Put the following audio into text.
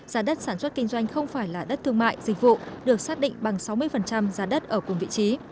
giá đất sản xuất kinh doanh không phải là đất thương mại dịch vụ được xác định bằng sáu mươi giá đất ở cùng vị trí